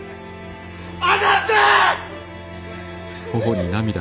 離せ！